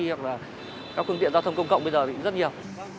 hoặc là các phương tiện giao thông công cộng bây giờ thì rất nhiều